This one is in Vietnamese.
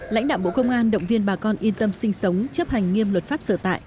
lãnh đạo bộ công an động viên bà con yên tâm sinh sống chấp hành nghiêm luật pháp sở tại